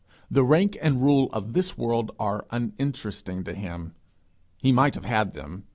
The rank and rule of this world are uninteresting to him. He might have had them.